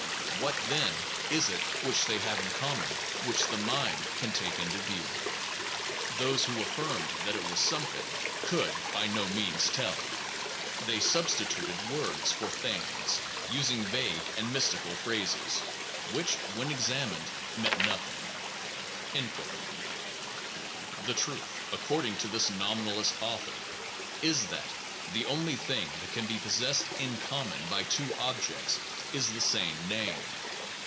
What, then, is it which they have in common which the mind can take into view? Those who affirmed that it was some thing, could by no means tell. They substi tuted words for things; using vague and mys tical phrases, which, when examined, meant nothing/ The truth, according to this nominal ist author, is that the only thing that can be pos sessed in common by two objects is the same name.